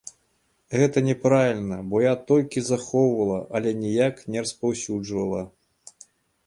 Гэта няправільна, бо я толькі захоўвала, але ніяк не распаўсюджвала.